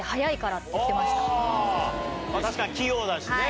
確かに器用だしね